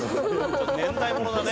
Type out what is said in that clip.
年代物だね。